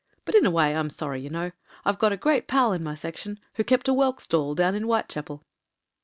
But in a way I'm sorry, you know. I've got a great pal in my section — ^who kept a whelk stall down in Whitechapel."